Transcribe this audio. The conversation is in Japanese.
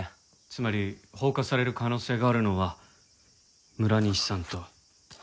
つまり放火される可能性があるのは村西さんと加藤さん。